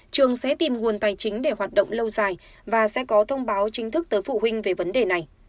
trường sẽ tìm nguồn tài chính để hoạt động lâu dài và sẽ có thông báo chính thức tới phụ huynh về vấn đề này